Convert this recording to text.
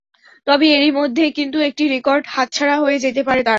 তবে এরই মধ্যে কিন্তু একটি রেকর্ড হাতছাড়া হয়ে যেতে পারে তাঁর।